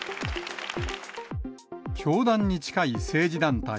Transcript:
教団に近い政治団体、